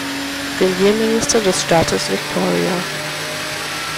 Premierminister des Staates Victoria.